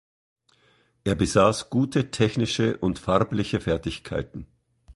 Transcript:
Er besaß gute technische und farbliche Fertigkeiten.